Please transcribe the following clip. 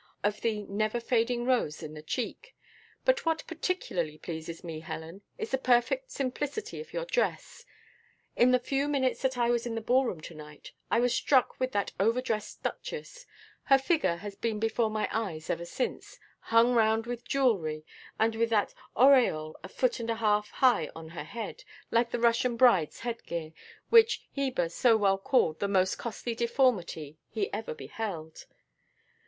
of the never fading rose in the cheek. But what particularly pleases me, Helen, is the perfect simplicity of your dress. In the few minutes that I was in the ball room to night, I was struck with that over dressed duchess: her figure has been before my eyes ever since, hung round with jewellery, and with that auréole a foot and a half high on her head: like the Russian bride's headgear, which Heber so well called 'the most costly deformity he ever beheld.